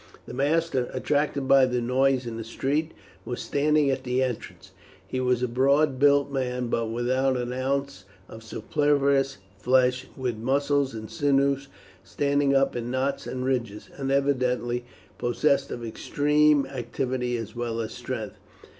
The master, attracted by the noise in the street, was standing at the entrance. He was a broad built man, but without an ounce of superfluous flesh, with muscles and sinews standing up in knots and ridges, and evidently possessed of extreme activity as well as strength.